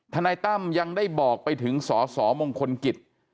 นายตั้มยังได้บอกไปถึงสสมงคลกิจ